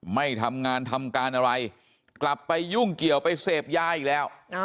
ไม่ทำงานทำการอะไรกลับไปยุ่งเกี่ยวไปเสพยาอีกแล้ว